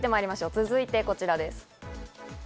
続いてこちらです。